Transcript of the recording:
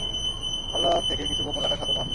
আল্লাহর থেকে কিছুই গোপন রাখার সাধ্য তোমার নেই।